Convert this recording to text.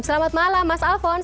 selamat malam mas alphonse